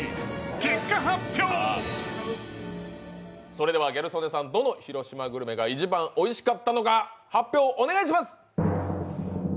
それではギャル曽根さん、どの広島グルメが一番おいしかったのか発表をお願いします。